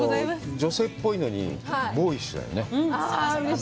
女性っぽいのにボーイッシュだよね。